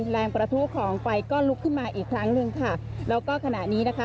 แรงประทุของไฟก็ลุกขึ้นมาอีกครั้งหนึ่งค่ะแล้วก็ขณะนี้นะคะ